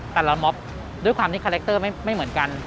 ละม็อบด้วยความที่คาแรคเตอร์ไม่เหมือนกัน